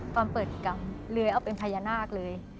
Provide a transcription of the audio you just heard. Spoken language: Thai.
ความเปิดกรรมเลยออกเป็นพญานาคเลย